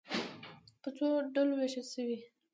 په څو ډلو وویشل شئ.